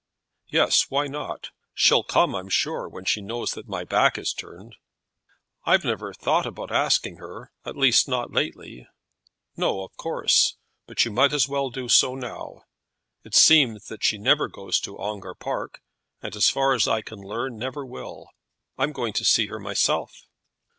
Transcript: "Yes; why not? She'll come, I'm sure, when she knows that my back is turned." "I've never thought about asking her, at least not lately." "No; of course. But you might as well do so now. It seems that she never goes to Ongar Park, and, as far as I can learn, never will. I'm going to see her myself."